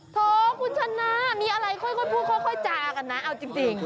โถคุณชนะมีอะไรค่อยพูดค่อยจากันนะเอาจริง